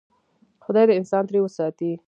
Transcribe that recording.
خدای دې انسان ترې وساتي.